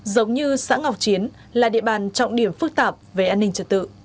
giống như xã ngọc chiến là địa bàn trọng điểm phức tạp về an ninh trật tự